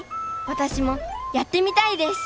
私もやってみたいです！